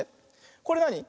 これなに？